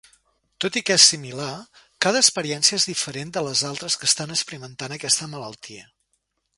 Tot i que és similar, cada experiència és diferent de les altres que estan experimentant aquesta malaltia.